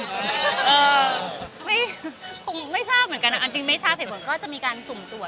อื้อไม่ผมไม่ทราบเหมือนกันอะจริงไม่ทราบแผลวันก็จะมีการสุ่มตรวจ